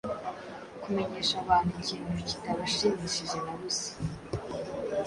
kumenyesha abantu ikintu kitabashimishije na busa